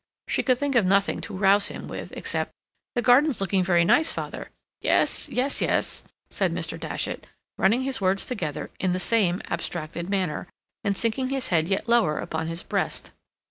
She could think of nothing to rouse him with except: "The garden's looking very nice, father." "Yes, yes, yes," said Mr. Datchet, running his words together in the same abstracted manner, and sinking his head yet lower upon his breast.